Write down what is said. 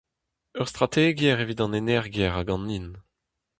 Ur strategiezh evit an energiezh hag an hin.